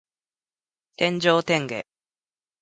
天上天下